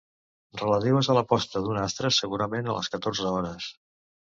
Relatives a la posta d'un astre, segurament a les catorze hores.